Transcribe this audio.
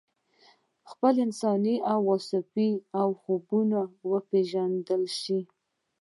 په خپلو انساني اوصافو او خویونو وپېژندل شې.